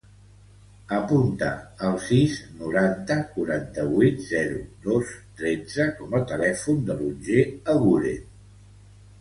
Apunta el sis, noranta, quaranta-vuit, zero, dos, tretze com a telèfon de l'Otger Eguren.